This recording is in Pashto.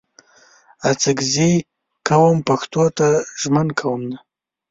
اڅګزي قوم پښتو ته ژمن قوم دی